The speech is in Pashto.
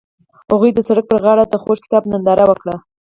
هغوی د سړک پر غاړه د خوږ کتاب ننداره وکړه.